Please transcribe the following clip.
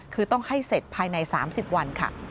คือต้องให้เสร็จภายใน๓๐วันค่ะ